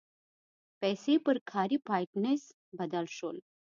پیسې پر کاري پاینټس بدل شول.